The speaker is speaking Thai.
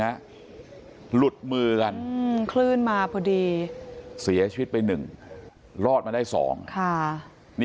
หลุดมือกันขึ้นมาพอดีเสียชีวิตไป๑รอดมาได้๒